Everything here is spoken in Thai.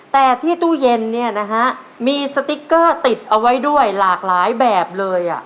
แต่ที่ตู้เย็นเนี่ยนะฮะมีสติ๊กเกอร์ติดเอาไว้ด้วยหลากหลายแบบเลย